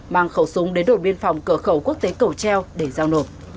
mang khẩu súng đến đội biên phòng cửa khẩu quốc tế cầu treo để giao nổ